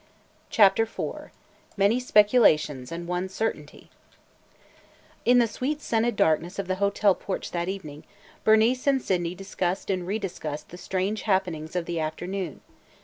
CHAPTER IV MANY SPECULATIONS AND ONE CERTAINTY IN the sweet scented darkness of the hotel porch that evening, Bernice and Sydney discussed and re discussed the strange happenings of the afternoon.